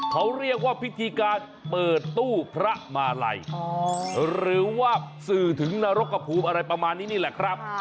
เขาเรียกว่าพิธีการเปิดตู้พระมาลัยหรือว่าสื่อถึงนรกกระภูมิอะไรประมาณนี้นี่แหละครับ